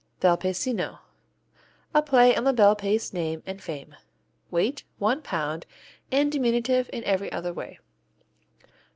Bel Paesino U.S.A. A play on the Bel Paese name and fame. Weight one pound and diminutive in every other way.